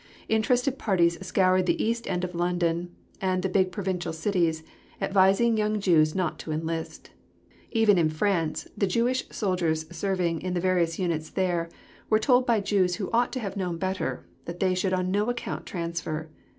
Interested parties scoured the East end of London and the big provincial cities, advising young Jews not to enlist. Even in France the Jewish soldiers serving in the various units there were told by Jews who ought to have known better that they should on no account transfer.